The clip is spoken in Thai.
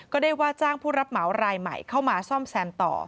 ได้ว่าจ้างผู้รับเหมารายใหม่เข้ามาซ่อมแซมต่อ